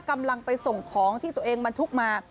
กำลังไปส่งของที่ตัวเองบรรทุกมา